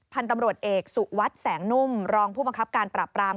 พันธุ์ตำรวจเอกสุวัสดิ์แสงนุ่มรองผู้บังคับการปราบราม